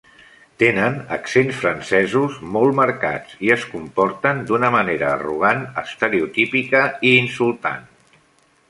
Tenen accents francesos molt marcats i es comporten d'una manera arrogant estereotípica i insultant.